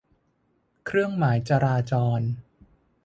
เครื่องหมายจราจร